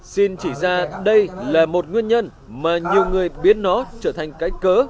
xin chỉ ra đây là một nguyên nhân mà nhiều người biến nó trở thành cái cớ